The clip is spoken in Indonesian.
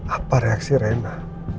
apa reaksi rena